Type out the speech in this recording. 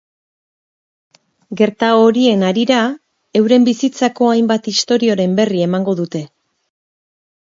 Gertaera horien harira, euren bizitzako hainbat istorioren berri emango dute.